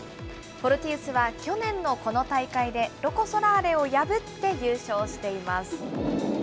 フォルティウスは去年のこの大会でロコ・ソラーレを破って優勝しています。